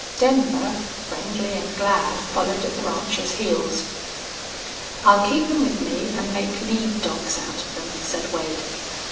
Denver, friendly and glad, followed at the rancher's heels. "I'll keep them with me an' make lead dogs out of them," said Wade.